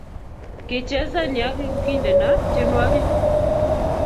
Kichesan ya kokindene tyenwogik